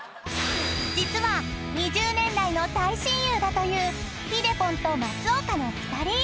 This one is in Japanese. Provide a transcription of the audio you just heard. ［実は２０年来の大親友だというひでぽんと松岡の２人］